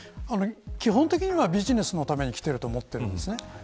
基本的にはビジネスのためにきていると思います。